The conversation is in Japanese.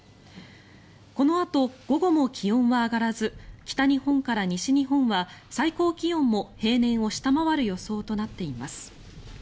このあと午後も気温は上がらず北日本から西日本は最高気温も平年を下回る予想となっています。